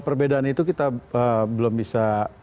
perbedaan itu kita belum bisa